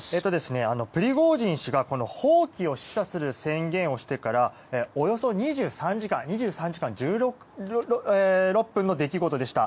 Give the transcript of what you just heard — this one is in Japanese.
プリゴジン氏が蜂起を示唆する宣言をしてからおよそ２３時間１６分の出来事でした。